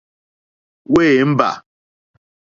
Wěmbà.